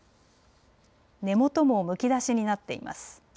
根元もむき出しになっています。